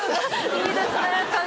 いいですね。